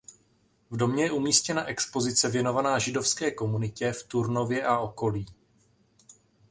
V domě je umístěna expozice věnovaná židovské komunitě v Turnově a okolí.